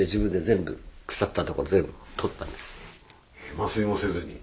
麻酔もせずに？